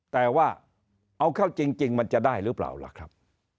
แต่ว่าเอาเข้าจริงมันจะได้หรือเปล่าล่ะครับ